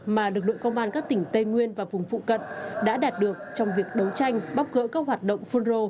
mà lực lượng công an các tỉnh tây nguyên và vùng phụ cận đã đạt được trong việc đấu tranh bóc gỡ các hoạt động phun rô